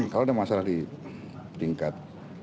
kalau ada masalah di tingkat